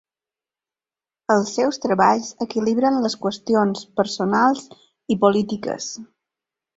Els seus treballs equilibren les qüestions personals i polítiques.